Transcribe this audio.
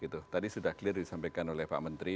tadi sudah clear disampaikan oleh pak menteri